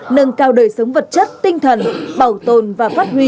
nâng cao đời sống vật chất tinh thần bảo tồn và phát huy